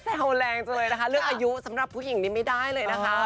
แรงจังเลยนะคะเรื่องอายุสำหรับผู้หญิงนี้ไม่ได้เลยนะคะ